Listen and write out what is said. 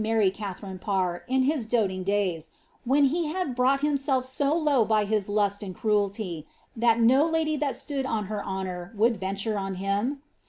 marry Katharine Parr in his doling days, when he had brought himself so low by his lust and cruelty that no lady that stood on her honour would venture on him